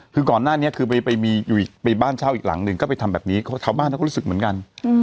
คือก่อนหน้านี้คือไปบ้านเช่าอีกหลังหนึ่งก็ไปทำแบบนี้ชาวบ้านเขาก็รู้สึกเหมือนกัน